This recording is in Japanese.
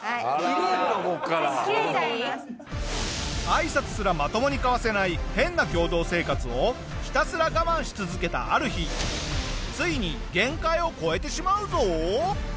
挨拶すらまともに交わせない変な共同生活をひたすら我慢し続けたある日ついに限界を超えてしまうぞ！